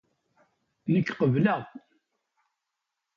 Nekk qeble?.